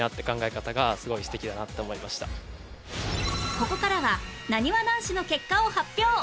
ここからはなにわ男子の結果を発表